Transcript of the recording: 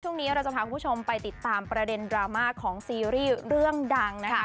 ช่วงนี้เราจะพาคุณผู้ชมไปติดตามประเด็นดราม่าของซีรีส์เรื่องดังนะคะ